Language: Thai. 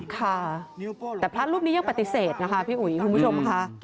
ค่ะแต่พระรูปนี้ยังปฏิเสธนะคะพี่อุ๋ยคุณผู้ชมค่ะ